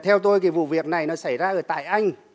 theo tôi vụ việc này xảy ra ở tài anh